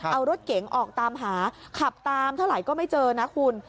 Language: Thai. เอารถเก๋งออกตามหาขับตามเท่าไหร่ก็ไม่เจอนะคุณ